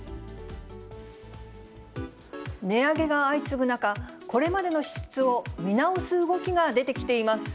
値上げが相次ぐ中、これまでの支出を見直す動きが出てきています。